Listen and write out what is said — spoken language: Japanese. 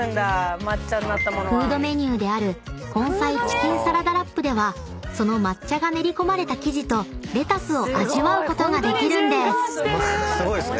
［フードメニューである根菜チキンサラダラップではその抹茶が練り込まれた生地とレタスを味わうことができるんです］